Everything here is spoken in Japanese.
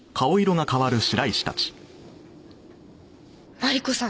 マリコさん